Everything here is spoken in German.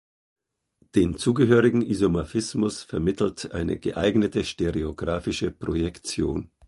Den zugehörigen Isomorphismus vermittelt eine geeignete stereografische Projektion.